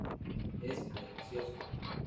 Es muy ambicioso.